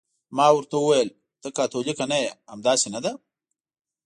ما ورته وویل: ته کاتولیکه نه یې، همداسې نه ده؟